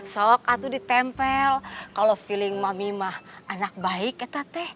sokka tuh ditempel kalo feeling mami mah anak baik eta teh